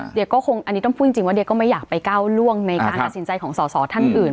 เดี๋ยวก็คงอันนี้ต้องพูดจริงว่าเดี๋ยวก็ไม่อยากไปก้าวล่วงในการตัดสินใจของสอสอท่านอื่น